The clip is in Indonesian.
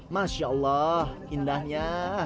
masya allah indahnya